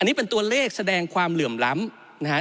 อันนี้เป็นตัวเลขแสดงความเหลื่อมล้ำนะฮะ